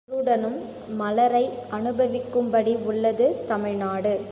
குருடனும் மலரை அநுபவிக்கும்படி உள்ளது தமிழ்நாடு.